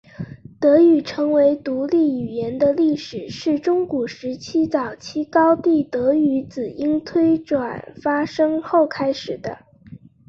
德语成为独立语言的历史是中古时代早期高地德语子音推移发生后开始的。